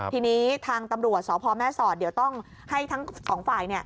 ทีนี้ทางตำรวจสพแม่สอดเดี๋ยวต้องให้ทั้งสองฝ่าย